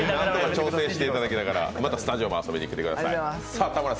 挑戦してもらいながら、またスタジオも遊びに来てください。